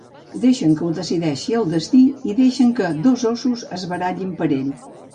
Deixen que ho decideixi el destí i deixen que dos ossos es barallin per ell.